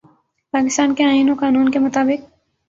پاکستان کے آئین و قانون کے مطابق